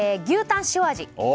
牛タン塩味。